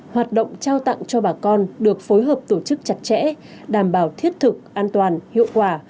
hoạt động trao tặng cho bà con được phối hợp tổ chức chặt chẽ đảm bảo thiết thực an toàn hiệu quả